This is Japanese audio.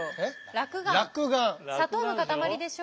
砂糖の塊でしょ？